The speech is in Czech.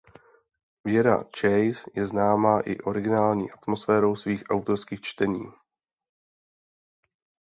Věra Chase je známa i originální atmosférou svých autorských čtení.